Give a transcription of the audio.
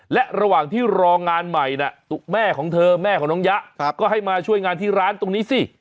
และระหว่างที่รองานใหม่แม่ของเธอแม่ของน้องยะก็ให้มาช่วยงานที่ร้านตรงนี้สิ